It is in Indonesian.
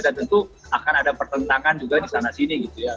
tentu akan ada pertentangan juga di sana sini gitu ya